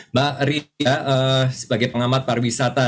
mbak ria sebagai pengamat pariwisata